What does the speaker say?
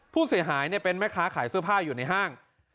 ผู้เสียหายเป็นแม่ค้าขายเสื้อผ้าอยู่ในห้าง